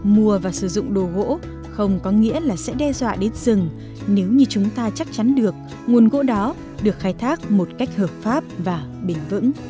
mua và sử dụng đồ gỗ không có nghĩa là sẽ đe dọa đến rừng nếu như chúng ta chắc chắn được nguồn gỗ đó được khai thác một cách hợp pháp và bền vững